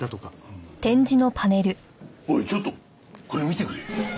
おいちょっとこれ見てくれ。